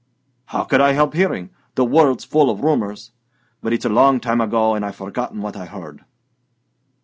"How could I help hearing? The world's full of rumours. But it's a long time ago, and I've forgotten what I heard."